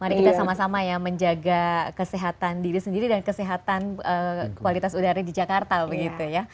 mari kita sama sama ya menjaga kesehatan diri sendiri dan kesehatan kualitas udara di jakarta begitu ya